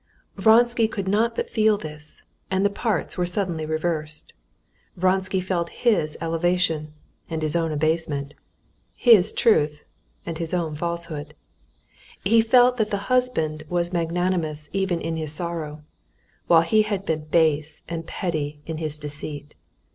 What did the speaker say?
Vronsky could not but feel this, and the parts were suddenly reversed. Vronsky felt his elevation and his own abasement, his truth and his own falsehood. He felt that the husband was magnanimous even in his sorrow, while he had been base and petty in his deceit.